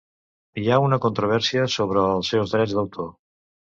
Hi ha una controvèrsia sobre els seus drets d'autor.